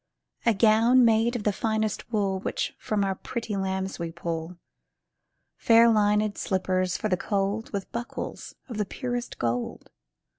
A gown made of the finest wool, Which from our pretty lambs we pull, Fair lined slippers for the cold, With buckles of the purest gold.